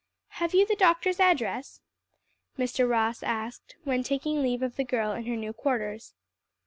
"Have you the doctor's address?" Mr. Ross asked, when taking leave of the girl in her new quarters.